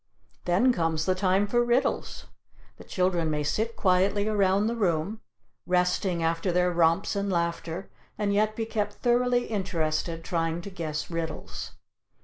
Then comes the time for riddles! The children may sit quietly around the room, resting after their romps and laughter, and yet be kept thoroughly interested, trying to guess riddles.